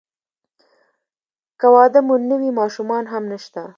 که واده مو نه وي ماشومان هم نشته.